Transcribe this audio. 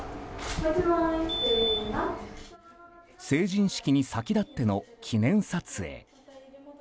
成人式に先立っての記念撮影。